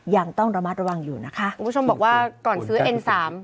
ยังต้องระมัดระวังอยู่นะคะคุณผู้ชมบอกว่าก่อนซื้อเอ็นสาม